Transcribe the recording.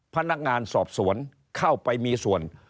พนักงานสอบสวนเข้าไปมีส่วน